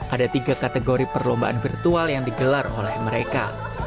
ada tiga kategori perlombaan virtual yang digelar oleh mereka